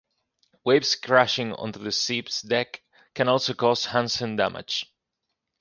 Waves crashing on to the ship's deck can also cause Hansen damage.